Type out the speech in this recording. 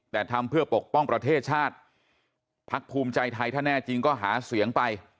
แต่ทำเพื่อปกป้องประเทศชาติพักภูมิใจไทยถ้าแน่จริงก็หาเสียงไป